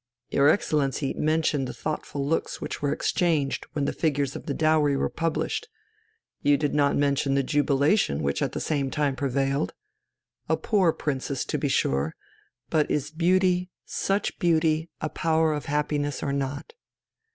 Your Excellency mentioned the thoughtful looks which were exchanged when the figures of the dowry were published, you did not mention the jubilation which at the same time prevailed. A poor princess, to be sure. But is beauty, such beauty, a power of happiness or not?